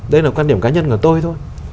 đây là quan điểm cá nhân của tôi thôi